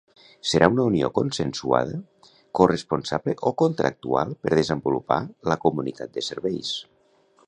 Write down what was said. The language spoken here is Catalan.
Serà una unió consensuada, corresponsable o contractual per desenvolupar la comunitat de serveis.